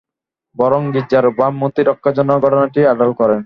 বরং গির্জার ভাবমূর্তি রক্ষার জন্য ঘটনাটি আড়াল করেন।